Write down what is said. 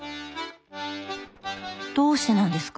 どうしてなんですか？